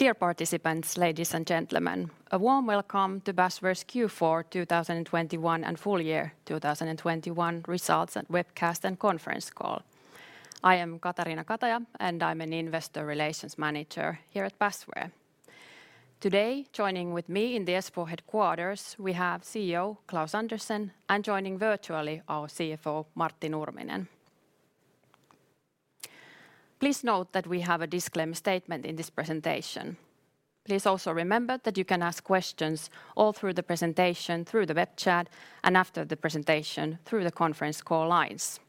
Dear participants, ladies and gentlemen, a warm welcome to Basware's Q4 2021 and full year 2021 results and webcast and conference call. I am Katariina Kataja, and I'm an investor relations manager here at Basware. Today, joining with me in the Espoo headquarters, we have CEO Klaus Andersen, and joining virtually our CFO, Martti Nurminen. Please note that we have a disclaimer statement in this presentation. Please also remember that you can ask questions all through the presentation, through the web chat, and after the presentation through the conference call lines.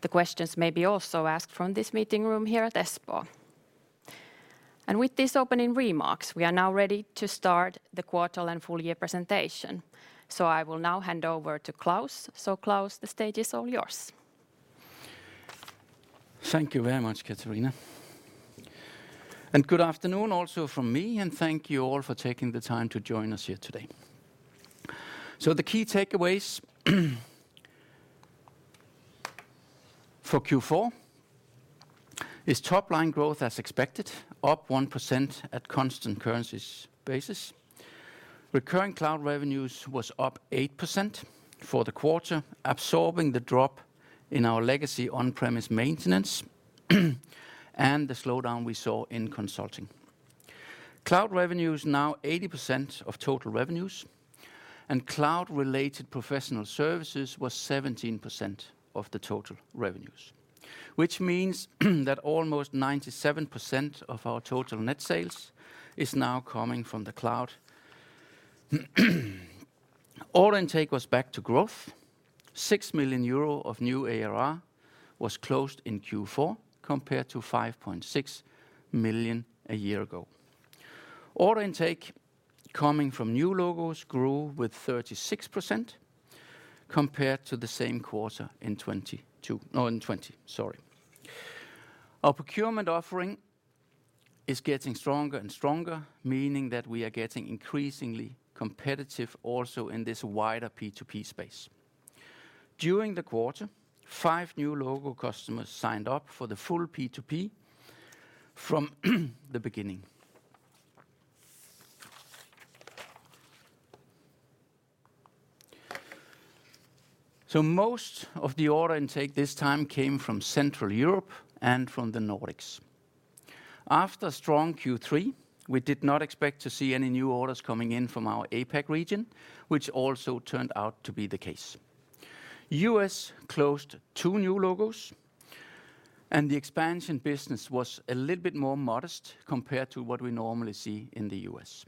The questions may be also asked from this meeting room here at Espoo. With these opening remarks, we are now ready to start the quarter and full year presentation. I will now hand over to Klaus. Klaus, the stage is all yours. Thank you very much, Katarina. Good afternoon also from me, and thank you all for taking the time to join us here today. The key takeaways for Q4 is top line growth as expected, up 1% at constant currency basis. Recurring cloud revenues was up 8% for the quarter, absorbing the drop in our legacy on-premise maintenance and the slowdown we saw in consulting. Cloud revenues now 80% of total revenues, and cloud-related professional services was 17% of the total revenues, which means that almost 97% of our total net sales is now coming from the cloud. Order intake was back to growth. 6 million euro of new ARR was closed in Q4, compared to 5.6 million a year ago. Order intake coming from new logos grew with 36% compared to the same quarter in 2020, sorry. Our procurement offering is getting stronger and stronger, meaning that we are getting increasingly competitive also in this wider P2P space. During the quarter, five new logo customers signed up for the full P2P from the beginning. Most of the order intake this time came from Central Europe and from the Nordics. After strong Q3, we did not expect to see any new orders coming in from our APAC region, which also turned out to be the case. US closed two new logos, and the expansion business was a little bit more modest compared to what we normally see in the US.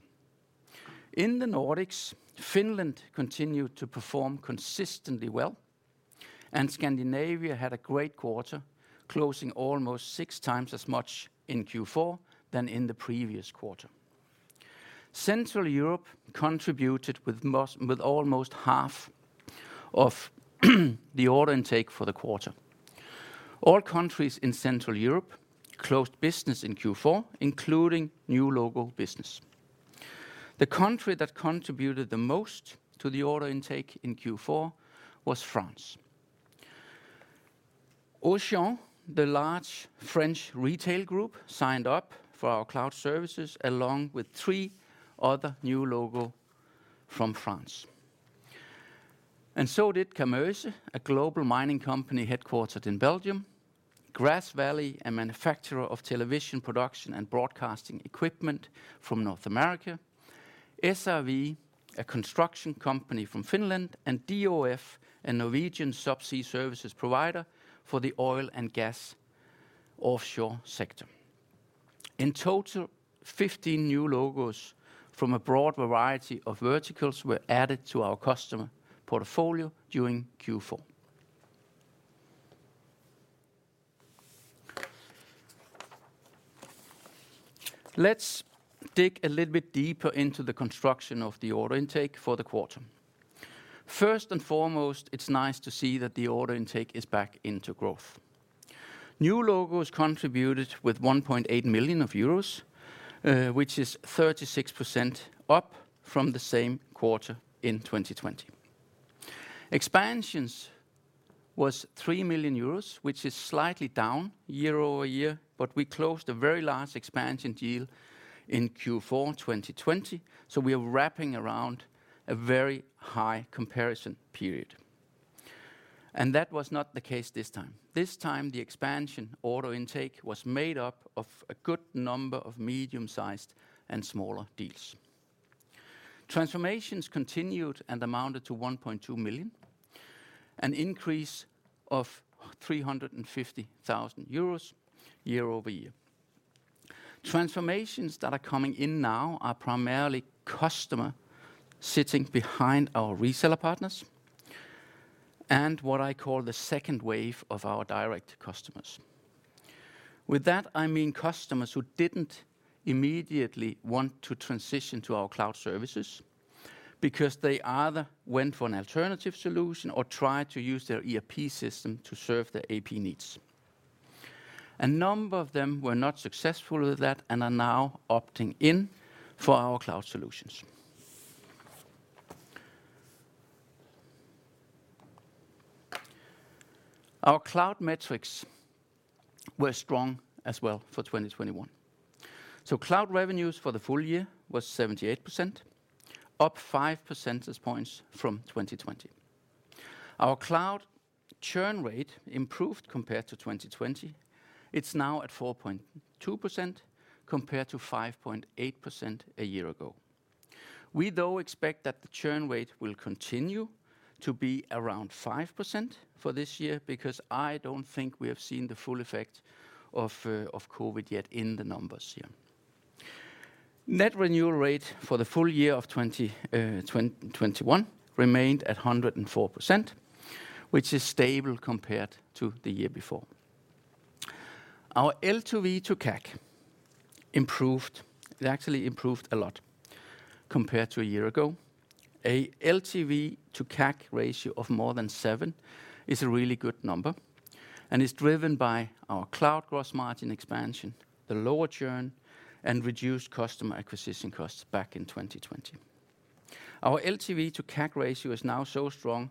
In the Nordics, Finland continued to perform consistently well, and Scandinavia had a great quarter, closing almost 6x as much in Q4 than in the previous quarter. Central Europe contributed with almost half of the order intake for the quarter. All countries in Central Europe closed business in Q4, including new logo business. The country that contributed the most to the order intake in Q4 was France. Auchan, the large French retail group, signed up for our cloud services, along with three other new logos from France. Camurci, a global mining company headquartered in Belgium, Grass Valley, a manufacturer of television production and broadcasting equipment from North America, SRV, a construction company from Finland, and DOF, a Norwegian subsea services provider for the oil and gas offshore sector. In total, 15 new logos from a broad variety of verticals were added to our customer portfolio during Q4. Let's dig a little bit deeper into the construction of the order intake for the quarter. First and foremost, it's nice to see that the order intake is back into growth. New logos contributed 1.8 million euros, which is 36% up from the same quarter in 2020. Expansions was 3 million euros, which is slightly down year-over-year, but we closed a very large expansion deal in Q4 2020, so we are wrapping around a very high comparison period. That was not the case this time. This time, the expansion order intake was made up of a good number of medium-sized and smaller deals. Transformations continued and amounted to 1.2 million, an increase of 350,000 euros year-over-year. Transformations that are coming in now are primarily customers sitting behind our reseller partners and what I call the second wave of our direct customers. With that, I mean customers who didn't immediately want to transition to our cloud services because they either went for an alternative solution or tried to use their ERP system to serve their AP needs. A number of them were not successful with that and are now opting in for our cloud solutions. Our cloud metrics were strong as well for 2021. Cloud revenues for the full year was 78%, up 5 percentage points from 2020. Our cloud churn rate improved compared to 2020. It's now at 4.2% compared to 5.8% a year ago. We though expect that the churn rate will continue to be around 5% for this year because I don't think we have seen the full effect of of COVID yet in the numbers here. Net renewal rate for the full year of 2021 remained at 104%, which is stable compared to the year before. Our LTV to CAC improved. It actually improved a lot compared to a year ago. A LTV to CAC ratio of more than seven is a really good number and is driven by our cloud gross margin expansion, the lower churn, and reduced customer acquisition costs back in 2020. Our LTV to CAC ratio is now so strong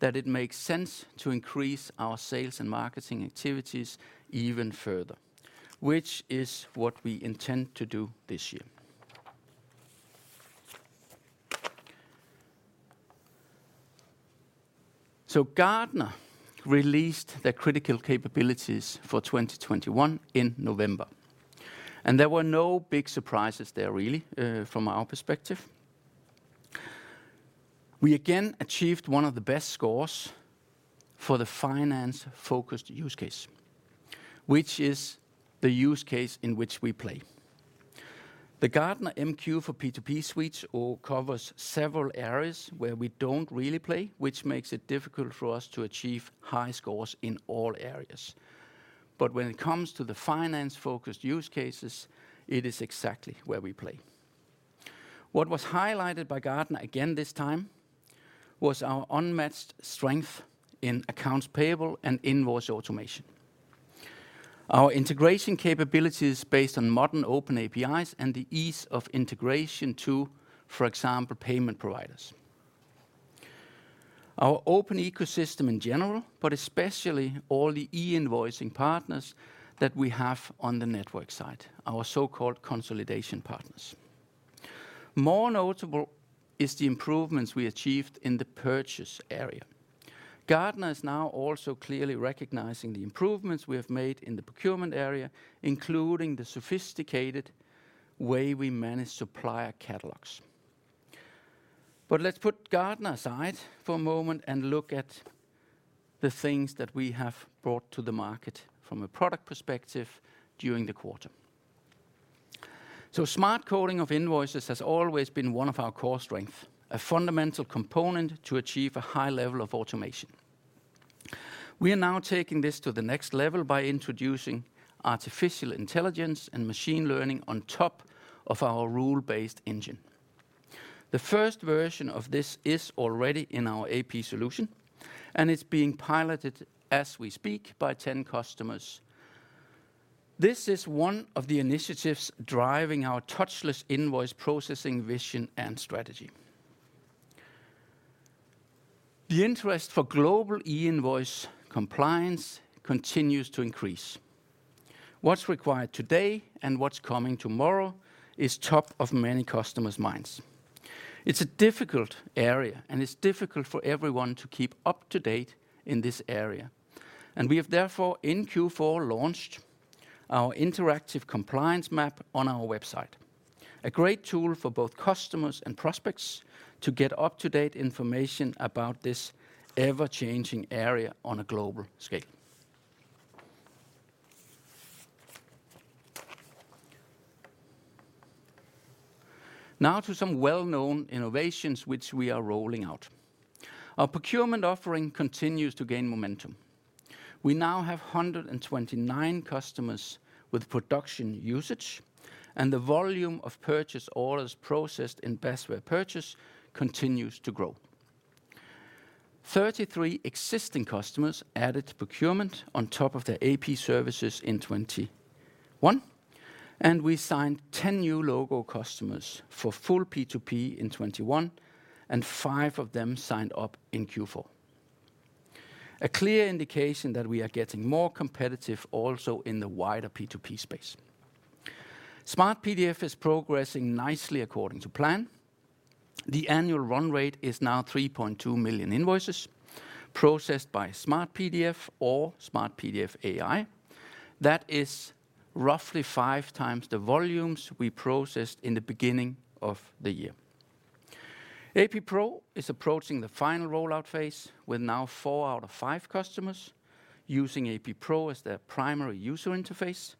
that it makes sense to increase our sales and marketing activities even further, which is what we intend to do this year. Gartner released their critical capabilities for 2021 in November, and there were no big surprises there really from our perspective. We again achieved one of the best scores for the finance-focused use case, which is the use case in which we play. The Gartner MQ for P2P Suites all covers several areas where we don't really play, which makes it difficult for us to achieve high scores in all areas. When it comes to the finance-focused use cases, it is exactly where we play. What was highlighted by Gartner again this time was our unmatched strength in accounts payable and invoice automation, our integration capabilities based on modern open APIs and the ease of integration to, for example, payment providers, our open ecosystem in general, but especially all the e-invoicing partners that we have on the network side, our so-called consolidation partners. More notable is the improvements we achieved in the purchase area. Gartner is now also clearly recognizing the improvements we have made in the procurement area, including the sophisticated way we manage supplier catalogs. Let's put Gartner aside for a moment and look at the things that we have brought to the market from a product perspective during the quarter. Smart coding of invoices has always been one of our core strength, a fundamental component to achieve a high level of automation. We are now taking this to the next level by introducing artificial intelligence and machine learning on top of our rule-based engine. The first version of this is already in our AP solution, and it's being piloted as we speak by 10 customers. This is one of the initiatives driving our touchless invoice processing vision and strategy. The interest for global e-invoice compliance continues to increase. What's required today and what's coming tomorrow is top of many customers' minds. It's a difficult area, and it's difficult for everyone to keep up to date in this area. We have therefore in Q4 launched our interactive compliance map on our website, a great tool for both customers and prospects to get up-to-date information about this ever-changing area on a global scale. Now to some well-known innovations which we are rolling out. Our procurement offering continues to gain momentum. We now have 129 customers with production usage, and the volume of purchase orders processed in Basware Purchase continues to grow. 33 existing customers added procurement on top of their AP services in 2021, and we signed 10 new logo customers for full P2P in 2021, and five of them signed up in Q4. A clear indication that we are getting more competitive also in the wider P2P space. SmartPDF is progressing nicely according to plan. The annual run rate is now 3.2 million invoices processed by SmartPDF or SmartPDF AI. That is roughly 5x the volumes we processed in the beginning of the year. AP Pro is approaching the final rollout phase with now four out of five customers using AP Pro as their primary user interface,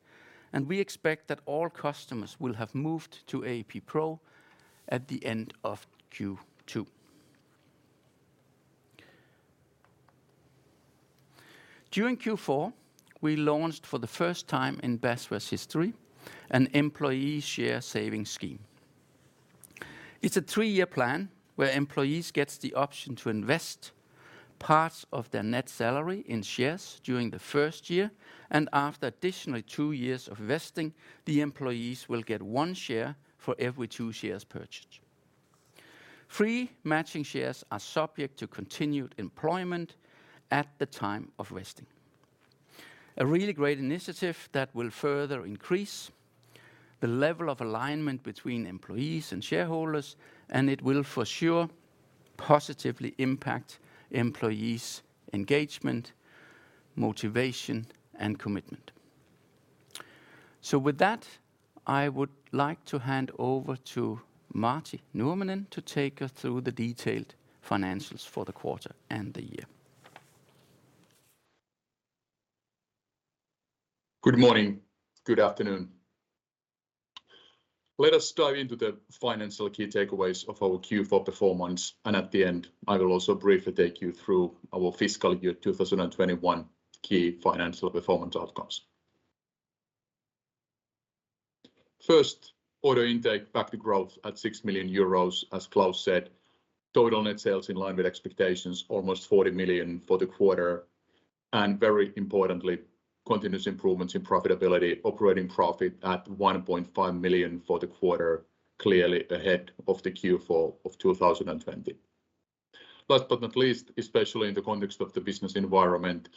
and we expect that all customers will have moved to AP Pro at the end of Q2. During Q4, we launched for the first time in Basware's history an employee share saving scheme. It's a three-year plan where employees gets the option to invest parts of their net salary in shares during the first year, and after additional two years of vesting, the employees will get one share for every two shares purchased. Free matching shares are subject to continued employment at the time of vesting. A really great initiative that will further increase the level of alignment between employees and shareholders, and it will for sure positively impact employees' engagement, motivation, and commitment. With that, I would like to hand over to Martti Nurminen to take us through the detailed financials for the quarter and the year. Good morning. Good afternoon. Let us dive into the financial key takeaways of our Q4 performance, and at the end, I will also briefly take you through our fiscal year 2021 key financial performance outcomes. First, order intake back to growth at 6 million euros, as Klaus said. Total net sales in line with expectations, almost 40 million for the quarter, and very importantly, continuous improvements in profitability. Operating profit at 1.5 million for the quarter, clearly ahead of the Q4 of 2020. Last but not least, especially in the context of the business environment,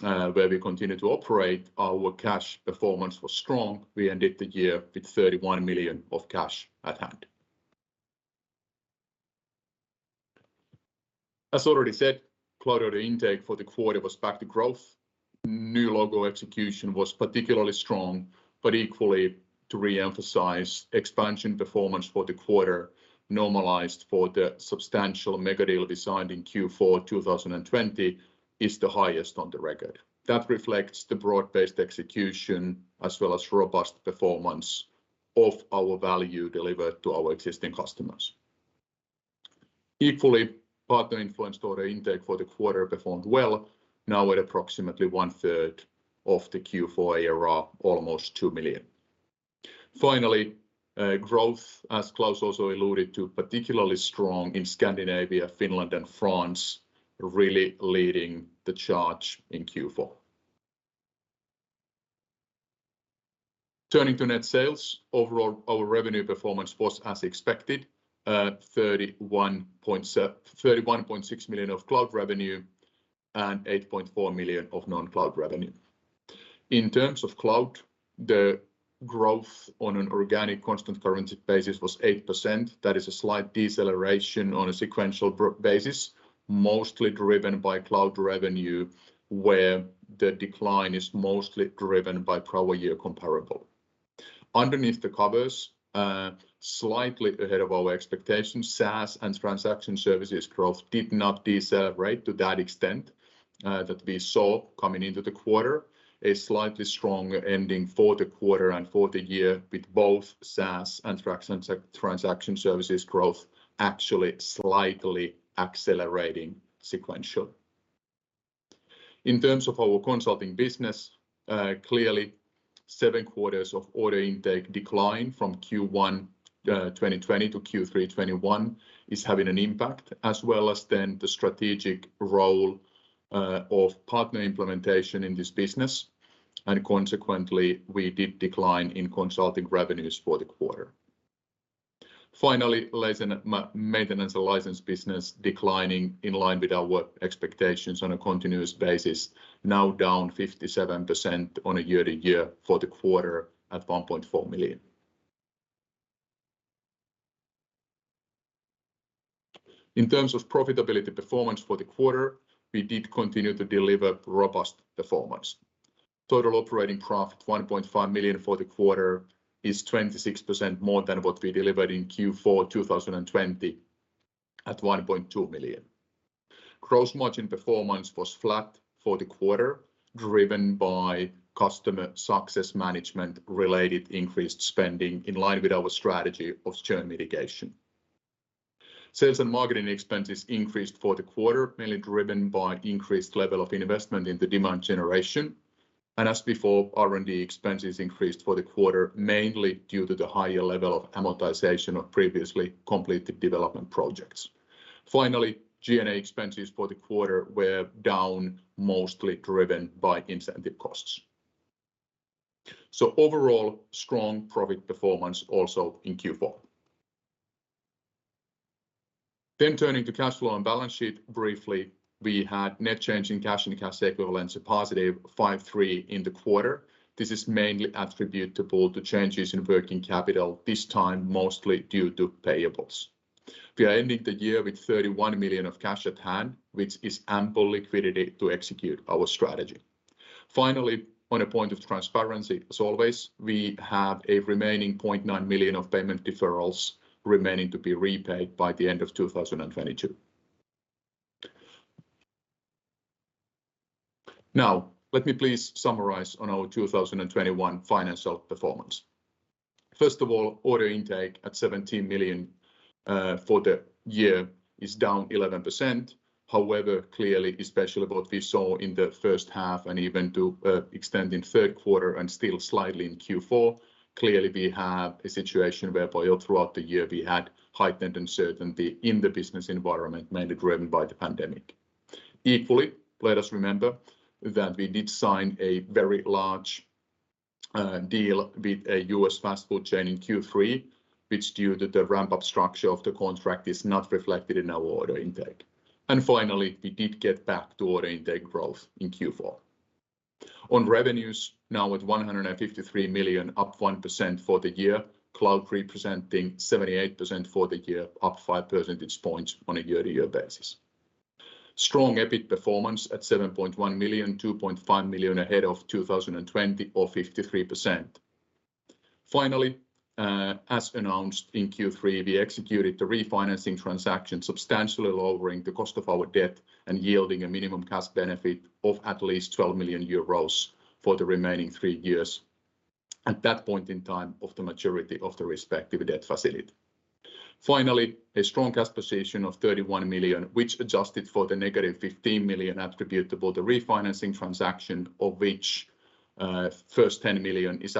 where we continue to operate, our cash performance was strong. We ended the year with 31 million of cash at hand. As already said, cloud order intake for the quarter was back to growth. New logo execution was particularly strong, but equally, to reemphasize, expansion performance for the quarter normalized for the substantial mega deal signed in Q4 2020 is the highest on the record. That reflects the broad-based execution as well as robust performance of our value delivered to our existing customers. Equally, partner influenced order intake for the quarter performed well, now at approximately one-third of the Q4 ARR, almost 2 million. Finally, growth, as Klaus also alluded to, particularly strong in Scandinavia, Finland, and France, really leading the charge in Q4. Turning to net sales, overall, our revenue performance was as expected, 31.6 million of cloud revenue and 8.4 million of non-cloud revenue. In terms of cloud, the growth on an organic constant currency basis was 8%. That is a slight deceleration on a sequential basis, mostly driven by cloud revenue, where the decline is mostly driven by prior-year comparable. Underneath the covers, slightly ahead of our expectations, SaaS and transaction services growth did not decelerate to that extent, that we saw coming into the quarter. A slightly stronger ending for the quarter and for the year with both SaaS and transaction services growth actually slightly accelerating sequentially. In terms of our consulting business, clearly seven quarters of order intake decline from Q1 2020 to Q3 2021 is having an impact, as well as then the strategic role of partner implementation in this business. Consequently, we did decline in consulting revenues for the quarter. Finally, license... Maintenance and license business declining in line with our expectations on a continuous basis, now down 57% year-over-year for the quarter at 1.4 million. In terms of profitability performance for the quarter, we did continue to deliver robust performance. Total operating profit, 1.5 million for the quarter, is 26% more than what we delivered in Q4 2020 at 1.2 million. Gross margin performance was flat for the quarter, driven by customer success management-related increased spending in line with our strategy of churn mitigation. Sales and marketing expenses increased for the quarter, mainly driven by increased level of investment in the demand generation. As before, R&D expenses increased for the quarter, mainly due to the higher level of amortization of previously completed development projects. Finally, G&A expenses for the quarter were down, mostly driven by incentive costs. Overall, strong profit performance also in Q4. Turning to cash flow and balance sheet briefly, we had net change in cash and cash equivalents a +5.3 in the quarter. This is mainly attributable to changes in working capital, this time mostly due to payables. We are ending the year with 31 million of cash at hand, which is ample liquidity to execute our strategy. Finally, on a point of transparency as always, we have a remaining 0.9 million of payment deferrals to be repaid by the end of 2022. Now, let me please summarize on our 2021 financial performance. First of all, order intake at 17 million for the year is down 11%. However, clearly, especially what we saw in the first half and even to an extent in third quarter and still slightly in Q4, clearly we have a situation whereby all throughout the year we had heightened uncertainty in the business environment, mainly driven by the pandemic. Equally, let us remember that we did sign a very large deal with a US fast food chain in Q3, which due to the ramp up structure of the contract is not reflected in our order intake. Finally, we did get back to order intake growth in Q4. On revenues now at 153 million, up 1% for the year. Cloud representing 78% for the year, up 5 percentage points on a year-to-year basis. Strong EBIT performance at 7.1 million, 2.5 million ahead of 2020 or 53%. Finally, as announced in Q3, we executed the refinancing transaction substantially lowering the cost of our debt and yielding a minimum cash benefit of at least 12 million euros for the remaining three years at that point in time of the maturity of the respective debt facility. Finally, a strong cash position of 31 million, which adjusted for the negative 15 million attributable to refinancing transaction, of which first 10 million was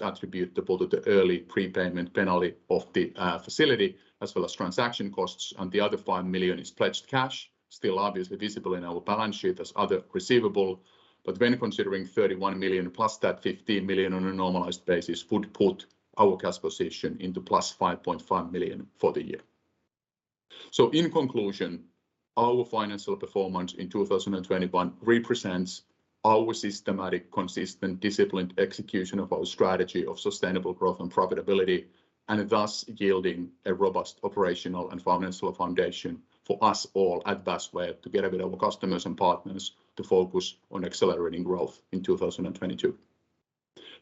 attributable to the early prepayment penalty of the facility as well as transaction costs, and the other 5 million is pledged cash. Still obviously visible in our balance sheet as other receivable. But when considering 31 million plus that 15 million on a normalized basis would put our cash position into plus 5.5 million for the year. In conclusion, our financial performance in 2021 represents our systematic, consistent, disciplined execution of our strategy of sustainable growth and profitability, and thus yielding a robust operational and financial foundation for us all at Basware together with our customers and partners to focus on accelerating growth in 2022.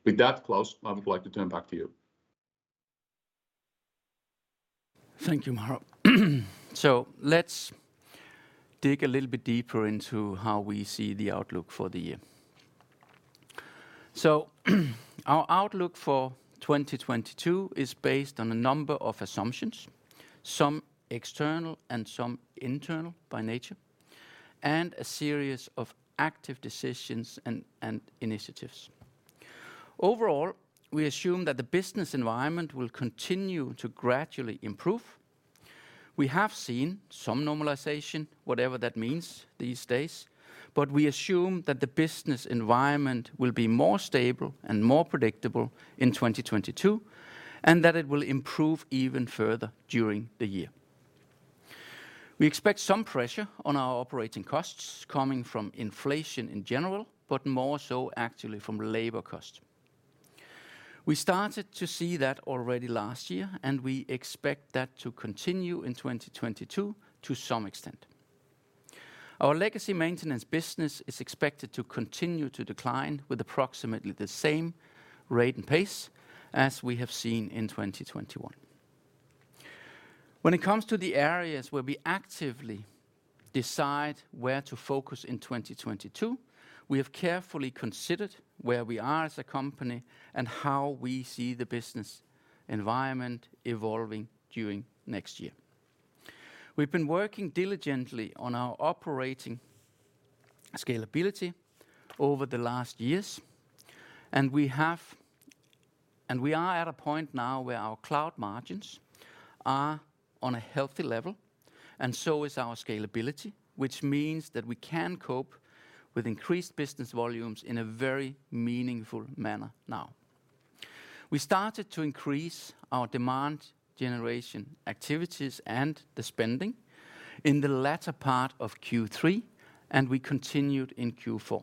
With that, Klaus, I would like to turn back to you. Thank you, Martti. Let's dig a little bit deeper into how we see the outlook for the year. Our outlook for 2022 is based on a number of assumptions, some external and some internal by nature, and a series of active decisions and initiatives. Overall, we assume that the business environment will continue to gradually improve. We have seen some normalization, whatever that means these days, but we assume that the business environment will be more stable and more predictable in 2022, and that it will improve even further during the year. We expect some pressure on our operating costs coming from inflation in general, but more so actually from labor cost. We started to see that already last year, and we expect that to continue in 2022 to some extent. Our legacy maintenance business is expected to continue to decline with approximately the same rate and pace as we have seen in 2021. When it comes to the areas where we actively decide where to focus in 2022, we have carefully considered where we are as a company and how we see the business environment evolving during next year. We've been working diligently on our operating scalability over the last years, and we are at a point now where our cloud margins are on a healthy level, and so is our scalability, which means that we can cope with increased business volumes in a very meaningful manner now. We started to increase our demand generation activities and the spending in the latter part of Q3, and we continued in Q4.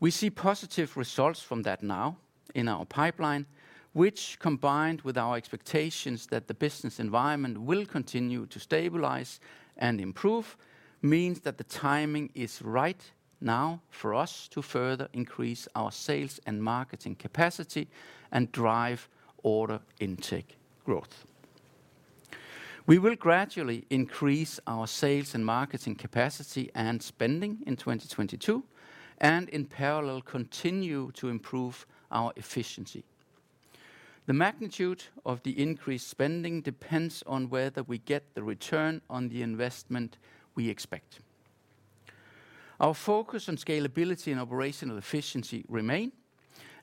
We see positive results from that now in our pipeline, which combined with our expectations that the business environment will continue to stabilize and improve, means that the timing is right now for us to further increase our sales and marketing capacity and drive order intake growth. We will gradually increase our sales and marketing capacity and spending in 2022 and in parallel, continue to improve our efficiency. The magnitude of the increased spending depends on whether we get the return on the investment we expect. Our focus on scalability and operational efficiency remain,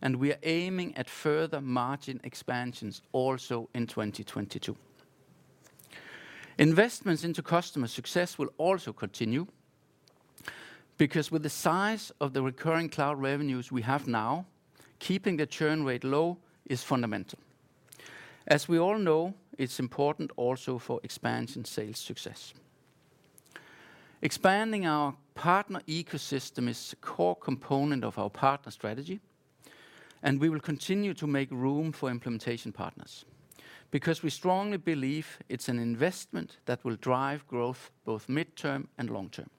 and we are aiming at further margin expansions also in 2022. Investments into customer success will also continue because with the size of the recurring cloud revenues we have now, keeping the churn rate low is fundamental. As we all know, it's important also for expansion sales success. Expanding our partner ecosystem is a core component of our partner strategy, and we will continue to make room for implementation partners because we strongly believe it's an investment that will drive growth both midterm and long term.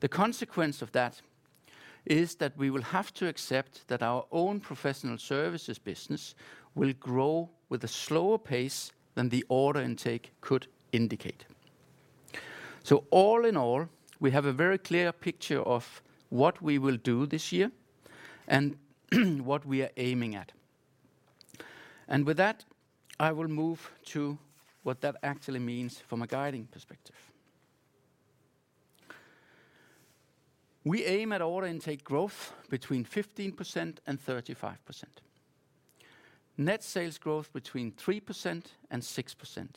The consequence of that is that we will have to accept that our own professional services business will grow with a slower pace than the order intake could indicate. All in all, we have a very clear picture of what we will do this year and what we are aiming at. With that, I will move to what that actually means from a guiding perspective. We aim at order intake growth between 15% and 35%. Net sales growth between 3% and 6%,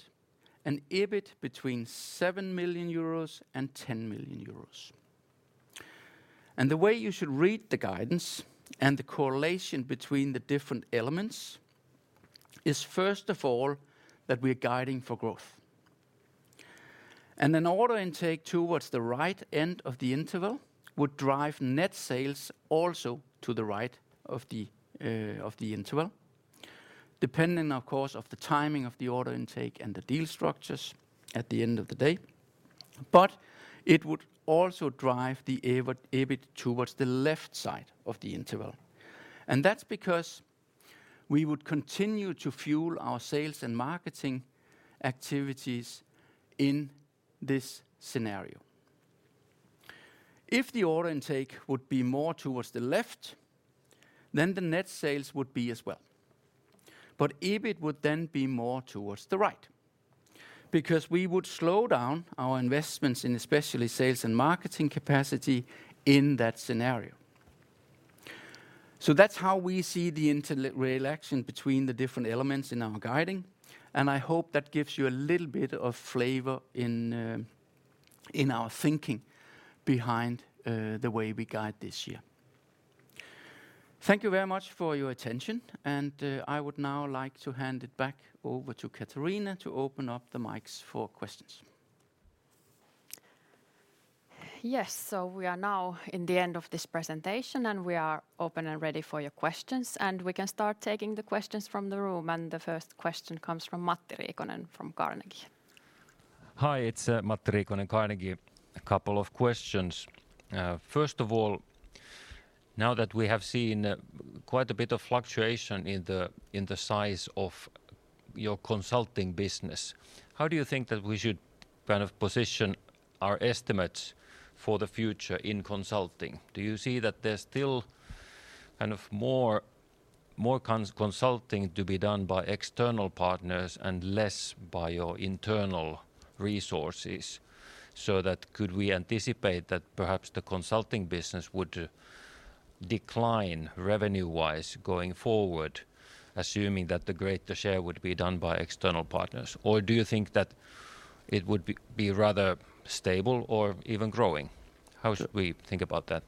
and EBIT between 7 million euros and 10 million euros. The way you should read the guidance and the correlation between the different elements is, first of all, that we're guiding for growth. An order intake towards the right end of the interval would drive net sales also to the right of the interval, depending, of course, on the timing of the order intake and the deal structures at the end of the day. It would also drive the adj. EBIT towards the left side of the interval. That's because we would continue to fuel our sales and marketing activities in this scenario. If the order intake would be more towards the left, then the net sales would be as well. EBIT would then be more towards the right, because we would slow down our investments in especially sales and marketing capacity in that scenario. That's how we see the inter-relation between the different elements in our guiding, and I hope that gives you a little bit of flavor in our thinking behind the way we guide this year. Thank you very much for your attention, and I would now like to hand it back over to Katariina to open up the mics for questions. Yes. We are now in the end of this presentation, and we are open and ready for your questions, and we can start taking the questions from the room. The first question comes from Matti Riikonen from Carnegie. Hi, it's Matti Riikonen, Carnegie. A couple of questions. First of all, now that we have seen quite a bit of fluctuation in the size of your consulting business, how do you think that we should kind of position our estimates for the future in consulting? Do you see that there's still kind of more consulting to be done by external partners and less by your internal resources so that could we anticipate that perhaps the consulting business would decline revenue-wise going forward, assuming that the greater share would be done by external partners? Or do you think that it would be rather stable or even growing? How should we think about that?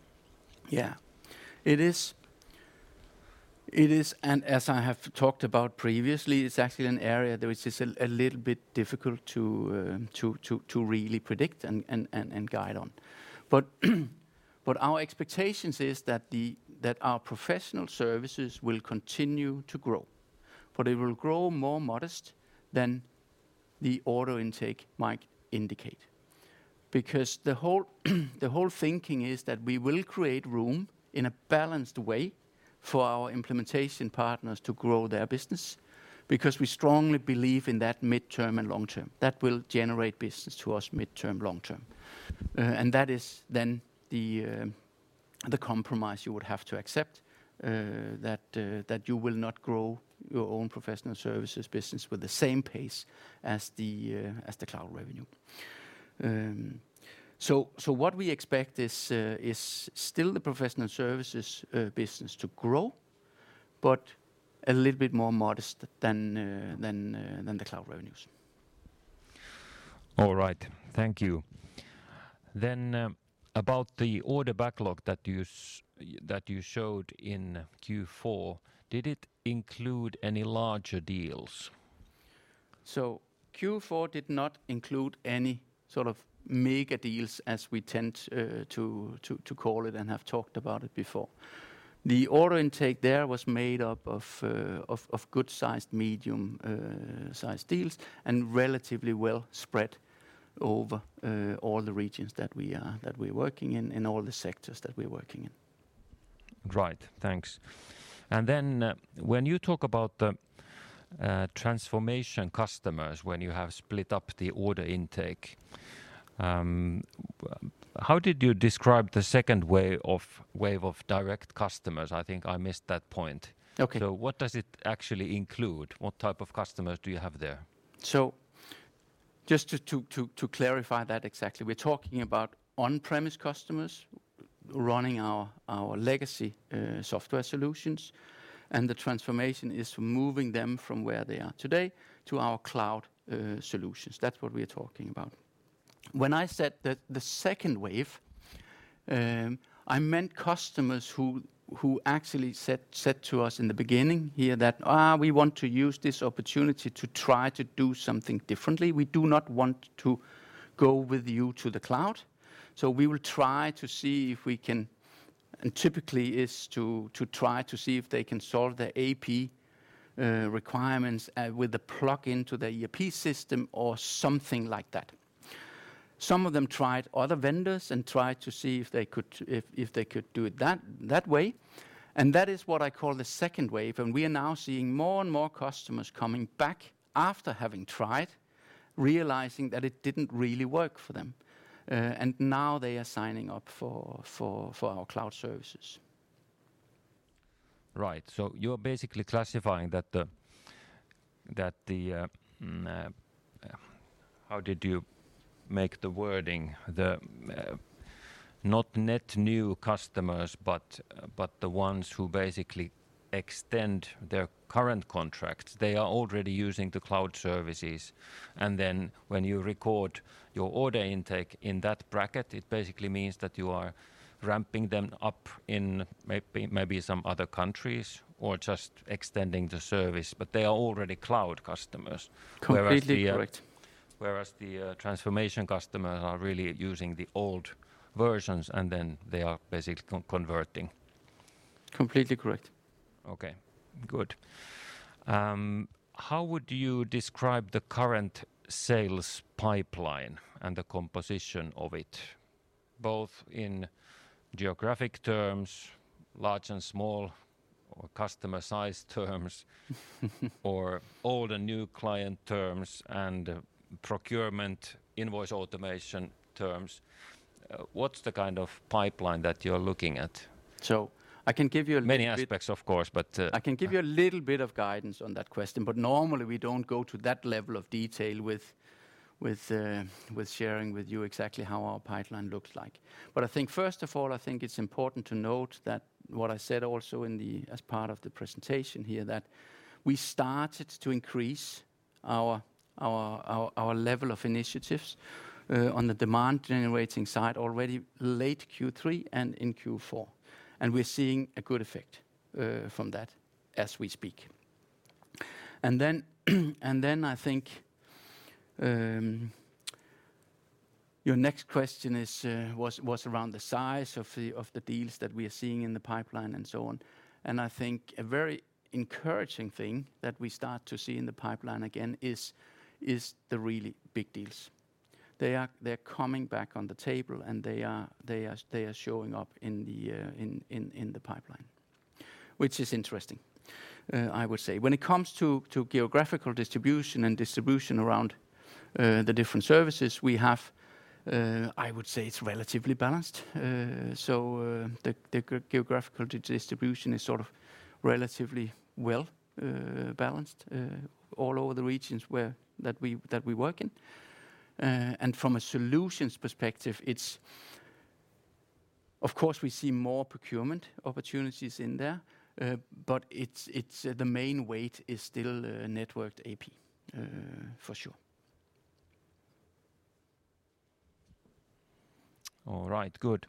Yeah. It is and as I have talked about previously, it's actually an area that is just a little bit difficult to really predict and guide on. Our expectations is that our professional services will continue to grow. It will grow more modest than the order intake might indicate. The whole thinking is that we will create room in a balanced way for our implementation partners to grow their business because we strongly believe in that midterm and long term. That will generate business to us midterm, long term. That is then the compromise you would have to accept, that you will not grow your own professional services business with the same pace as the cloud revenue. What we expect is still the professional services business to grow, but a little bit more modest than the cloud revenues. All right. Thank you. About the order backlog that you showed in Q4, did it include any larger deals? Q4 did not include any sort of mega deals as we tend to call it and have talked about it before. The order intake there was made up of good-sized medium-sized deals and relatively well spread over all the regions that we're working in, and all the sectors that we're working in. Right. Thanks. Then, when you talk about the transformation customers, when you have split up the order intake, how did you describe the second wave of direct customers? I think I missed that point. Okay. What does it actually include? What type of customers do you have there? Just to clarify that exactly, we're talking about on-premise customers running our legacy software solutions, and the transformation is moving them from where they are today to our cloud solutions. That's what we're talking about. When I said the second wave, I meant customers who actually said to us in the beginning here that, "we want to use this opportunity to try to do something differently. We do not want to go with you to the cloud. We will try to see if we can." Typically is to try to see if they can solve their AP requirements with a plug into their ERP system or something like that. Some of them tried other vendors and tried to see if they could do it that way, and that is what I call the second wave. We are now seeing more and more customers coming back after having tried, realizing that it didn't really work for them. Now they are signing up for our cloud services. Right. You're basically classifying that the how did you make the wording? The not net new customers, but the ones who basically extend their current contracts, they are already using the cloud services. Then when you record your order intake in that bracket, it basically means that you are ramping them up in maybe some other countries or just extending the service, but they are already cloud customers. Completely correct. Whereas the transformation customers are really using the old versions, and then they are basically converting. Completely correct. Okay. Good. How would you describe the current sales pipeline and the composition of it, both in geographic terms, large and small, or customer size terms, or old and new client terms and procurement invoice automation terms? What's the kind of pipeline that you're looking at? I can give you a little bit. Many aspects, of course, but. I can give you a little bit of guidance on that question, but normally we don't go to that level of detail with sharing with you exactly how our pipeline looks like. I think first of all, it's important to note that what I said also in the, as part of the presentation here, that we started to increase our level of initiatives on the demand generating side already late Q3 and in Q4. We're seeing a good effect from that as we speak. I think your next question was around the size of the deals that we are seeing in the pipeline and so on. I think a very encouraging thing that we start to see in the pipeline again is the really big deals. They're coming back on the table, and they are showing up in the pipeline, which is interesting, I would say. When it comes to geographical distribution around the different services we have, I would say it's relatively balanced. So, the geographical distribution is sort of relatively well balanced all over the regions that we work in. From a solutions perspective, it's. Of course, we see more procurement opportunities in there, but it's the main weight is still networked AP, for sure. All right. Good.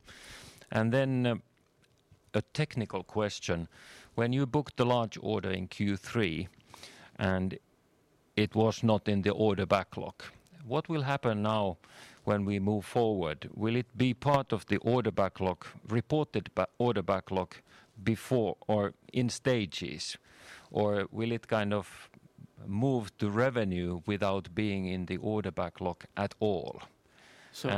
A technical question. When you booked the large order in Q3 and it was not in the order backlog, what will happen now when we move forward? Will it be part of the reported order backlog before or in stages? Or will it kind of move to revenue without being in the order backlog at all? So-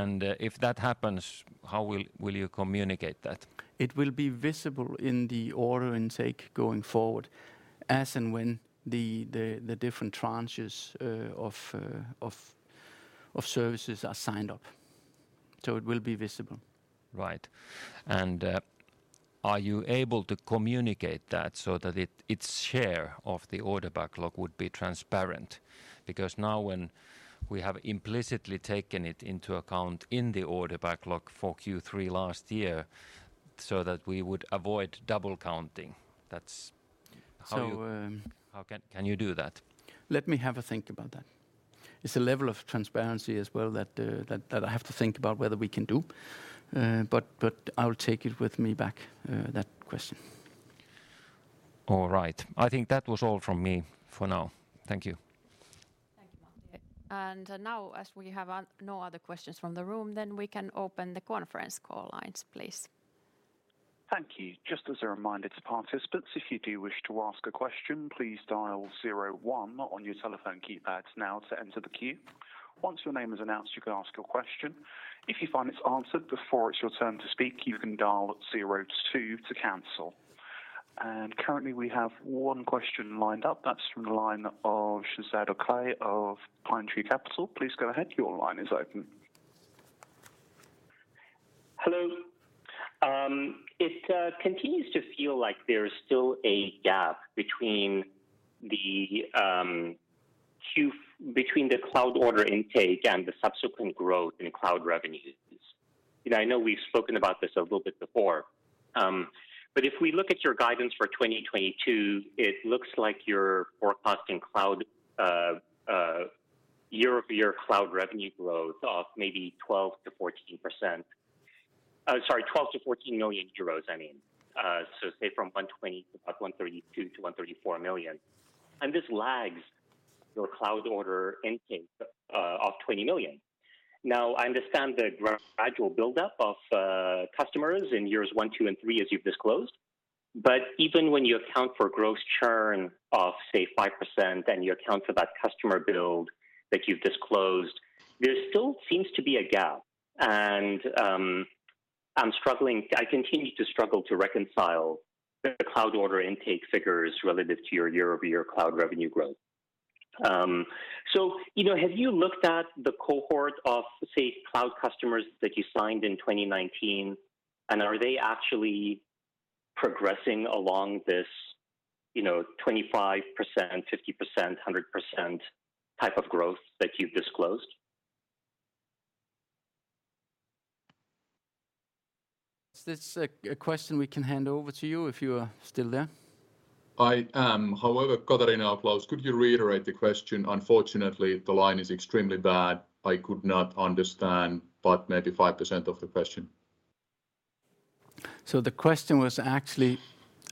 If that happens, how will you communicate that? It will be visible in the order intake going forward as and when the different tranches of services are signed up. It will be visible. Right. Are you able to communicate that so that its share of the order backlog would be transparent? Because now when we have implicitly taken it into account in the order backlog for Q3 last year, so that we would avoid double counting. That's how you- So, um- How can you do that? Let me have a think about that. It's a level of transparency as well that I have to think about whether we can do. I'll take it with me back that question. All right. I think that was all from me for now. Thank you. Thank you, Matti. Now as we have no other questions from the room, then we can open the conference call lines, please. Thank you. Just as a reminder to participants, if you do wish to ask a question, please dial zero one on your telephone keypads now to enter the queue. Once your name is announced, you can ask your question. If you find it's answered before it's your turn to speak, you can dial zero two to cancel. Currently, we have one question lined up. That's from the line of Shezad Okhai of Pinetree Capital. Please go ahead. Your line is open. Hello. It continues to feel like there is still a gap between the cloud order intake and the subsequent growth in cloud revenues. You know, I know we've spoken about this a little bit before, but if we look at your guidance for 2022, it looks like you're forecasting cloud year-over-year cloud revenue growth of maybe 12%-14%. Sorry, 12 million-14 million euros, I mean. So say from 120 million to about 132 million to 134 million. This lags your cloud order intake of 20 million. Now, I understand the gradual buildup of customers in years one, two, and three as you've disclosed, but even when you account for gross churn of, say, 5% and you account for that customer build that you've disclosed, there still seems to be a gap. I continue to struggle to reconcile the cloud order intake figures relative to your year-over-year cloud revenue growth. You know, have you looked at the cohort of, say, cloud customers that you signed in 2019? Are they actually progressing along this, you know, 25%, 50%, 100% type of growth that you've disclosed? This is a question we can hand over to you if you are still there. I am. However, Katariina, Klaus, could you reiterate the question? Unfortunately, the line is extremely bad. I could not understand about 95% of the question. The question was actually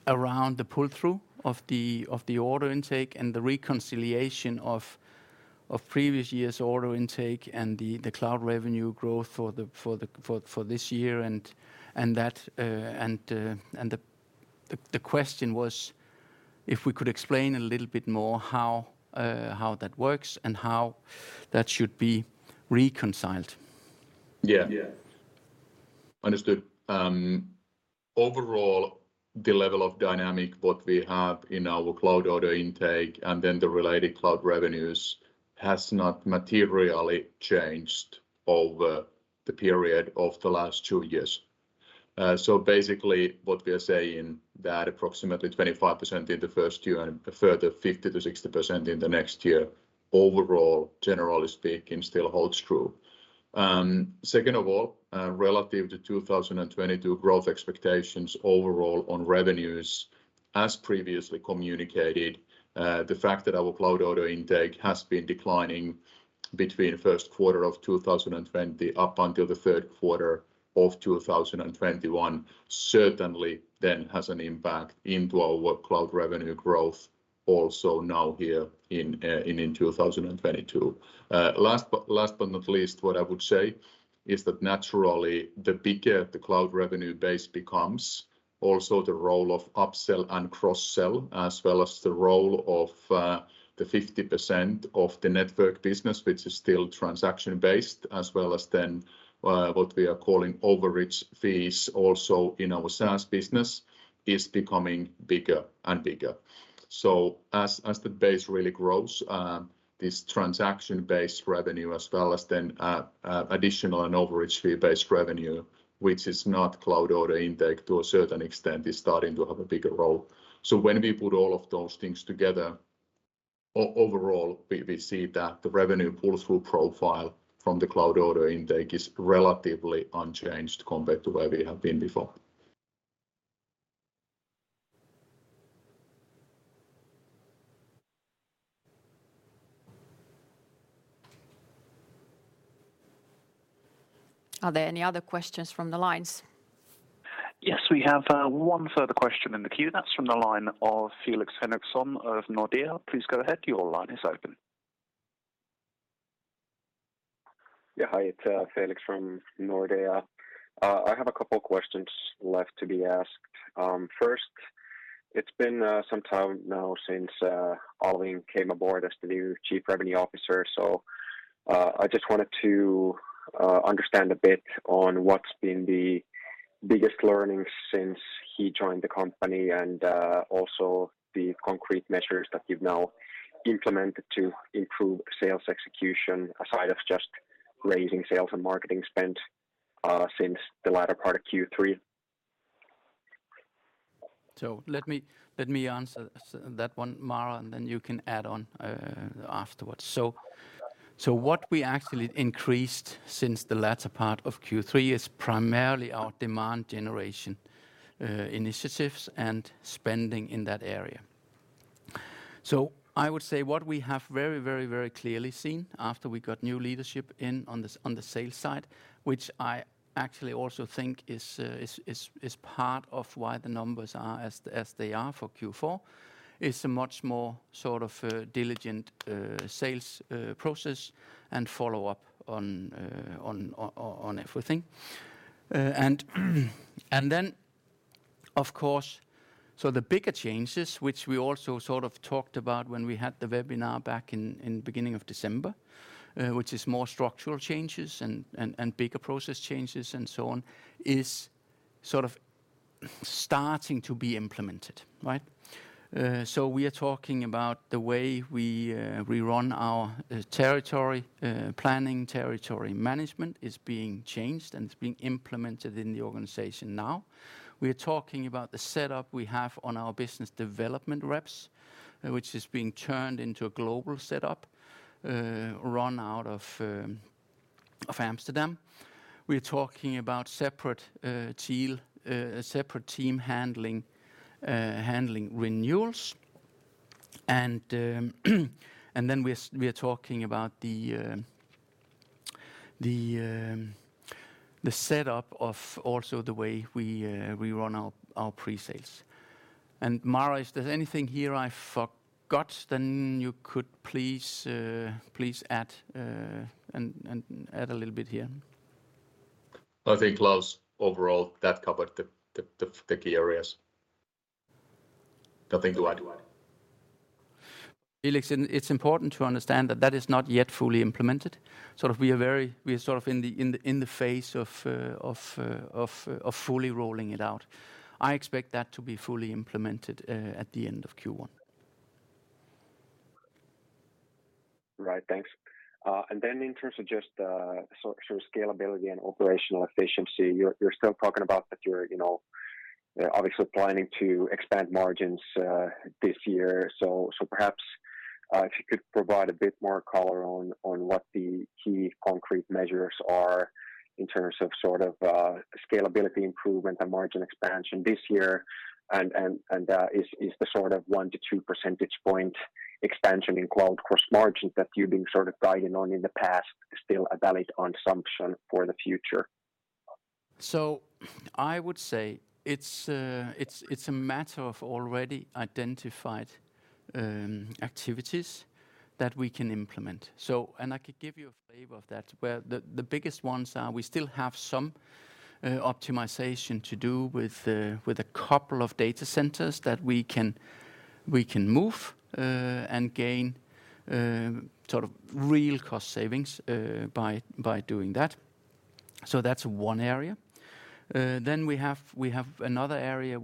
around the pull-through of the order intake and the reconciliation of previous years' order intake and the cloud revenue growth for this year and that the question was if we could explain a little bit more how that works and how that should be reconciled. Yeah. Understood. Overall, the level of dynamics we have in our cloud order intake and then the related cloud revenues has not materially changed over the period of the last two years. Basically what we are saying that approximately 25% in the first year and a further 50%-60% in the next year overall, generally speaking, still holds true. Second of all, relative to 2022 growth expectations overall on revenues, as previously communicated, the fact that our cloud order intake has been declining between first quarter of 2020 up until the third quarter of 2021 certainly then has an impact into our cloud revenue growth also now here in 2022. Last but not least, what I would say is that naturally the bigger the cloud revenue base becomes, also the role of upsell and cross-sell, as well as the role of the 50% of the network business which is still transaction-based, as well as then what we are calling overage fees also in our SaaS business is becoming bigger and bigger. As the base really grows, this transaction-based revenue as well as then additional and overage fee-based revenue, which is not cloud order intake to a certain extent, is starting to have a bigger role. When we put all of those things together, overall we see that the revenue pull-through profile from the cloud order intake is relatively unchanged compared to where we have been before. Are there any other questions from the lines? Yes, we have one further question in the queue. That's from the line of Felix Henriksson of Nordea. Please go ahead. Your line is open. Yeah, hi. It's Felix from Nordea. I have a couple questions left to be asked. First, it's been some time now since Alwin came aboard as the new Chief Revenue Officer, so I just wanted to understand a bit on what's been the biggest learning since he joined the company and also the concrete measures that you've now implemented to improve sales execution aside of just raising sales and marketing spend since the latter part of Q3. Let me answer that one, Martti, and then you can add on afterwards. What we actually increased since the latter part of Q3 is primarily our demand generation initiatives and spending in that area. I would say what we have very clearly seen after we got new leadership in on the sales side, which I actually also think is part of why the numbers are as they are for Q4, is a much more sort of diligent sales process and follow-up on everything. Then of course the bigger changes which we also sort of talked about when we had the webinar back in the beginning of December, which is more structural changes and bigger process changes and so on, is sort of starting to be implemented, right? We are talking about the way we run our territory planning territory management is being changed and it's being implemented in the organization now. We're talking about the setup we have on our business development reps, which is being turned into a global setup, run out of Amsterdam. We're talking about separate team handling renewals. We are talking about the setup of also the way we run our pre-sales. Martti, is there anything here I forgot? Then you could please add and add a little bit here? I think, Klaus, overall that covered the key areas. Nothing to add to that. Felix, it's important to understand that that is not yet fully implemented. We are sort of in the phase of fully rolling it out. I expect that to be fully implemented at the end of Q1. Right. Thanks. In terms of just sort of scalability and operational efficiency, you're still talking about that you're you know obviously planning to expand margins this year. Perhaps if you could provide a bit more color on what the key concrete measures are in terms of sort of scalability improvement and margin expansion this year. Is the sort of 1-2 percentage point expansion in gross margins that you've been sort of guiding on in the past still a valid assumption for the future? I would say it's a matter of already identified activities that we can implement. I could give you a flavor of that, where the biggest ones are we still have some optimization to do with a couple of data centers that we can move and gain sort of real cost savings by doing that. That's one area. Then we have another area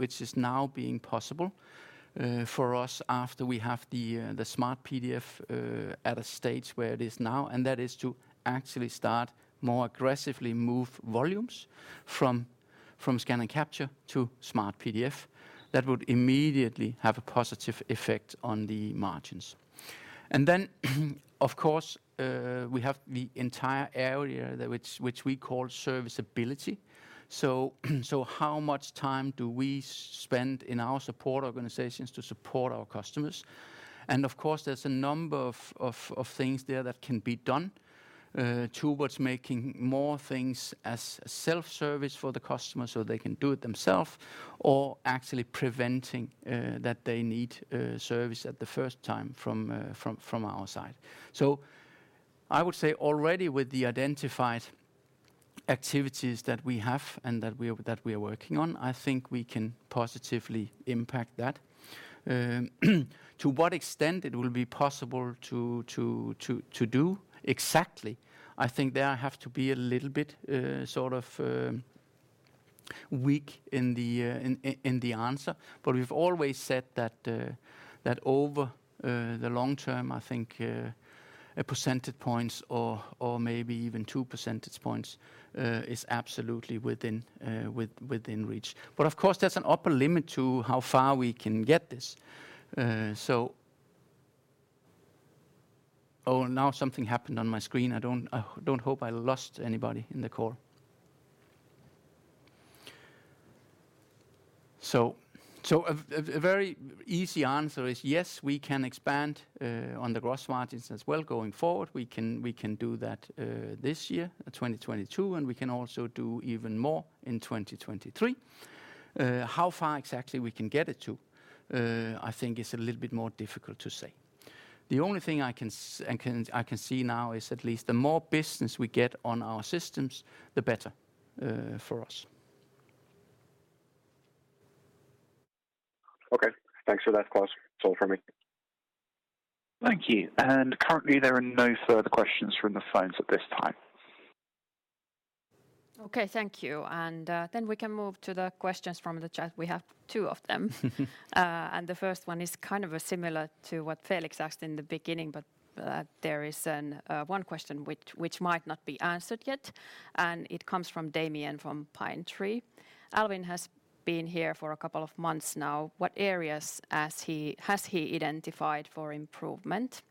which is now being possible for us after we have the SmartPDF at a stage where it is now, and that is to actually start more aggressively move volumes from Scan & Capture to SmartPDF. That would immediately have a positive effect on the margins. Of course, we have the entire area that we call serviceability. How much time do we spend in our support organizations to support our customers? Of course, there's a number of things there that can be done towards making more things as self-service for the customer so they can do it themselves or actually preventing that they need service at the first time from our side. I would say already with the identified activities that we have and that we're working on, I think we can positively impact that. To what extent it will be possible to do exactly, I think there I have to be a little bit sort of weak in the answer. We've always said that over the long term, I think, a percentage points or maybe even 2 percentage points is absolutely within reach. Of course, there's an upper limit to how far we can get this. Oh, now something happened on my screen. I don't hope I lost anybody in the call. A very easy answer is yes, we can expand on the gross margins as well going forward. We can do that this year, 2022, and we can also do even more in 2023. How far exactly we can get it to, I think is a little bit more difficult to say. The only thing I can see now is at least the more business we get on our systems, the better for us. Okay. Thanks for that, Klaus. That's all for me. Thank you. Currently, there are no further questions from the phones at this time. Okay. Thank you. Then we can move to the questions from the chat. We have two of them. The first one is kind of similar to what Felix asked in the beginning, but there is another question which might not be answered yet, and it comes from Damian from Pinetree. Alwin has been here for a couple of months now. What areas has he identified for improvement?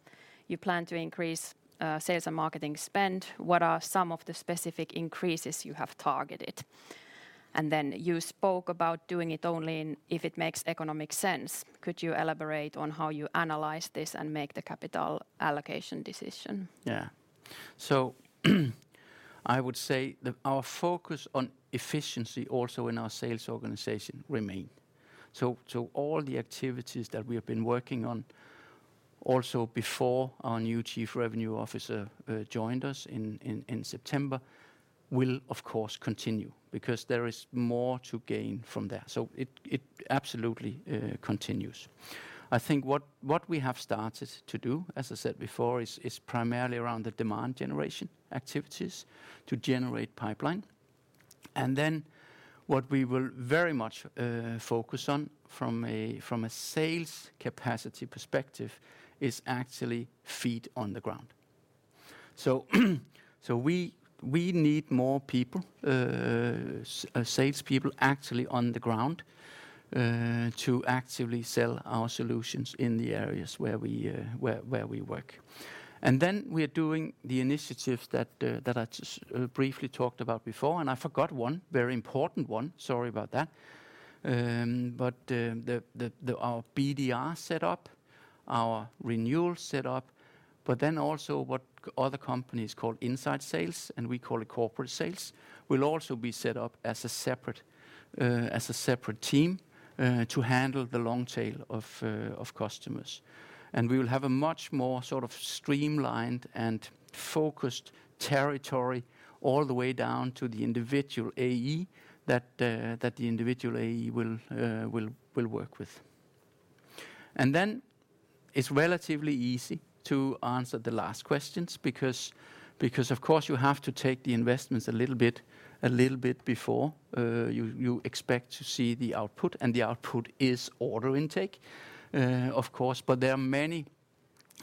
You plan to increase sales and marketing spend. What are some of the specific increases you have targeted? Then you spoke about doing it only if it makes economic sense. Could you elaborate on how you analyze this and make the capital allocation decision? Yeah. I would say our focus on efficiency also in our sales organization remain. All the activities that we have been working on also before our new Chief Revenue Officer joined us in September will of course continue because there is more to gain from that. It absolutely continues. I think what we have started to do, as I said before, is primarily around the demand generation activities to generate pipeline. What we will very much focus on from a sales capacity perspective is actually feet on the ground. We need more people, salespeople actually on the ground to actively sell our solutions in the areas where we work. We are doing the initiatives that I just briefly talked about before, and I forgot one, very important one. Sorry about that. Our BDR set up, our renewal set up, but then also what other companies call inside sales, and we call it corporate sales, will also be set up as a separate team to handle the long tail of customers. We will have a much more sort of streamlined and focused territory all the way down to the individual AE that the individual AE will work with. Then it's relatively easy to answer the last questions because of course, you have to take the investments a little bit before you expect to see the output, and the output is order intake, of course. There are many,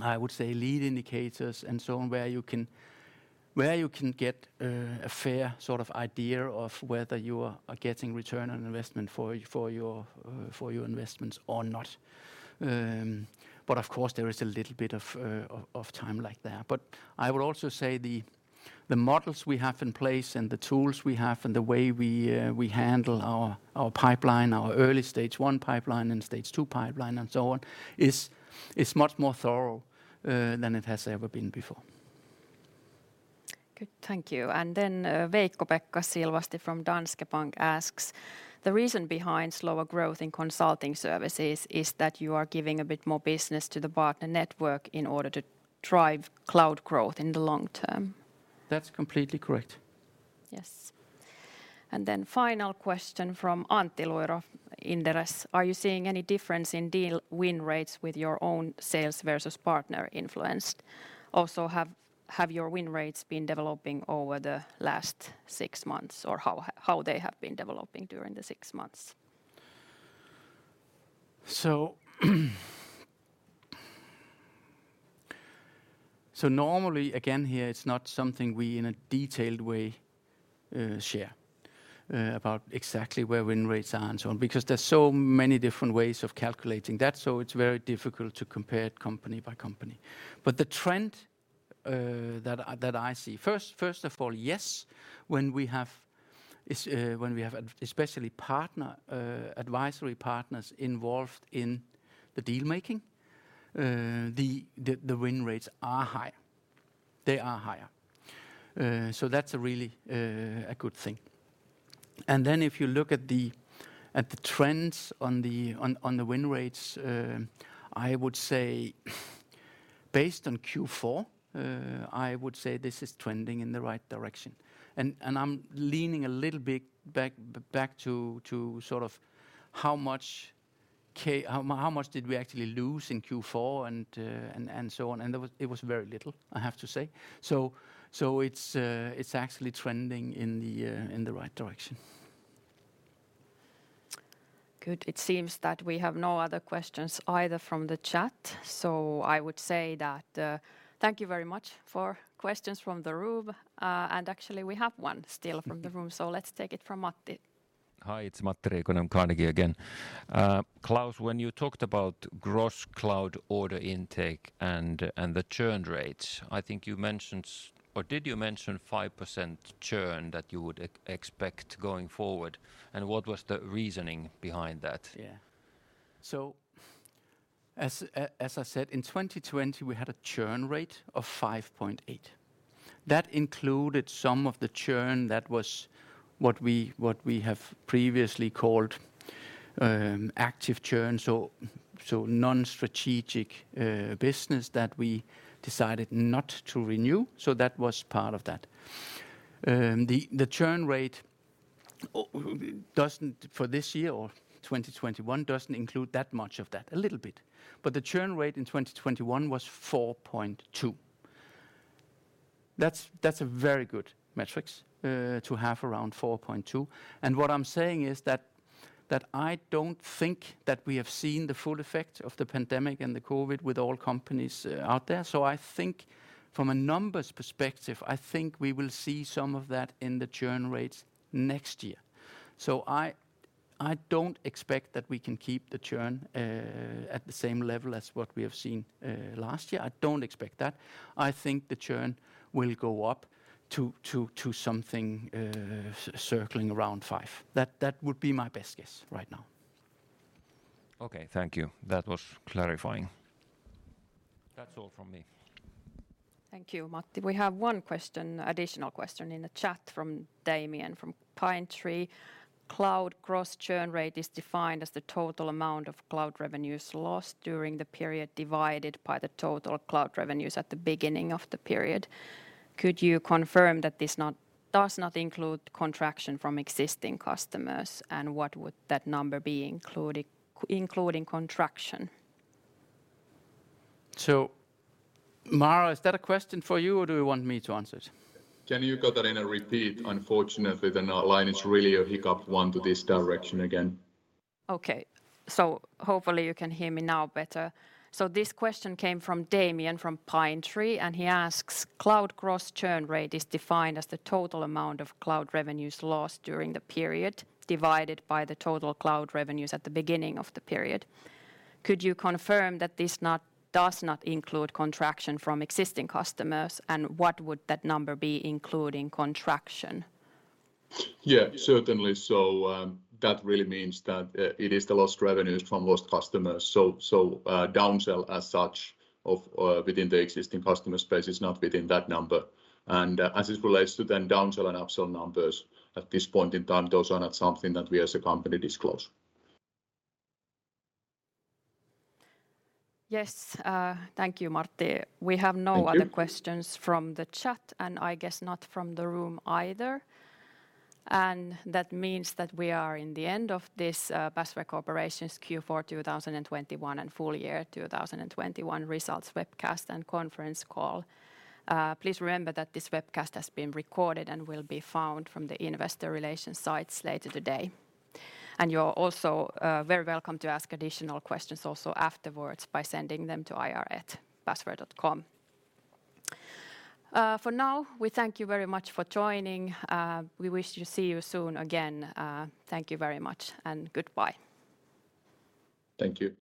I would say, lead indicators and so on where you can get a fair sort of idea of whether you are getting return on investment for your investments or not. Of course, there is a little bit of time like that. I would also say the models we have in place and the tools we have and the way we handle our pipeline, our early stage one pipeline and stage two pipeline and so on is much more thorough than it has ever been before. Good. Thank you. Then, Veikko-Pekka Silvasti from Danske Bank asks, The reason behind slower growth in consulting services is that you are giving a bit more business to the partner network in order to drive cloud growth in the long term? That's completely correct. Yes. Final question from Antti Luiro, Inderes. Are you seeing any difference in deal win rates with your own sales versus partner influence? Also, have your win rates been developing over the last six months, or how they have been developing during the six months? Normally, again, here it's not something we in a detailed way share about exactly where win rates are and so on, because there's so many different ways of calculating that, so it's very difficult to compare it company by company. The trend that I see. First of all, yes, when we have especially partner advisory partners involved in the deal-making, the win rates are high. They are higher. That's a really good thing. Then if you look at the trends on the win rates, I would say based on Q4 this is trending in the right direction. I'm leaning a little bit back to sort of how much did we actually lose in Q4 and so on, and there was, it was very little, I have to say. It's actually trending in the right direction. Good. It seems that we have no other questions either from the chat, so I would say that, thank you very much for questions from the room. Actually we have one still from the room, so let's take it from Matti. Hi, it's Matti Riikonen, Carnegie again. Klaus, when you talked about gross cloud order intake and the churn rates, I think you mentioned, or did you mention 5% churn that you would expect going forward, and what was the reasoning behind that? As I said, in 2020, we had a churn rate of 5.8%. That included some of the churn that was what we have previously called active churn, so non-strategic business that we decided not to renew, so that was part of that. The churn rate for this year or 2021 doesn't include that much of that, a little bit, but the churn rate in 2021 was 4.2%. That's a very good metric to have around 4.2%, and what I'm saying is that I don't think that we have seen the full effect of the pandemic and COVID with all companies out there. I think from a numbers perspective, I think we will see some of that in the churn rates next year. I don't expect that we can keep the churn at the same level as what we have seen last year. I don't expect that. I think the churn will go up to something circling around 5%. That would be my best guess right now. Okay. Thank you. That was clarifying. That's all from me. Thank you, Matti. We have one additional question in the chat from Damian from Pinetree. Cloud gross churn rate is defined as the total amount of cloud revenues lost during the period divided by the total cloud revenues at the beginning of the period. Could you confirm that this does not include contraction from existing customers, and what would that number be, including contraction? Martti, is that a question for you or do you want me to answer it? Can you, Katariina, repeat? Unfortunately, our line is really a hiccupy one to this direction again. Okay. Hopefully you can hear me now better. This question came from Damian from Pinetree, and he asks, cloud gross churn rate is defined as the total amount of cloud revenues lost during the period divided by the total cloud revenues at the beginning of the period. Could you confirm that this does not include contraction from existing customers, and what would that number be including contraction? Yeah, certainly. That really means that it is the lost revenues from lost customers. Downsell as such of within the existing customer space is not within that number. As it relates to then downsell and upsell numbers, at this point in time, those are not something that we as a company disclose. Yes. Thank you, Matti. Thank you. We have no other questions from the chat, and I guess not from the room either. That means that we are in the end of this, Basware Corporation's Q4 2021 and full year 2021 results webcast and conference call. Please remember that this webcast has been recorded and will be found from the investor relations sites later today. You're also very welcome to ask additional questions also afterwards by sending them to ir@basware.com. For now, we thank you very much for joining. We wish to see you soon again. Thank you very much and goodbye. Thank you.